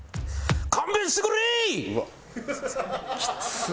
勘弁してくれい！